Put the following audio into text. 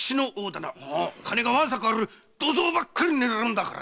金がワンサカある土蔵ばかり狙うんだから。